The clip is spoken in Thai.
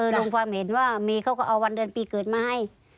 ลงความเห็นว่าเมย์เขาก็เอาวันเดือนปีเกิดมาให้